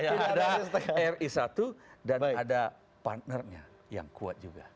ada ri satu dan ada partnernya yang kuat juga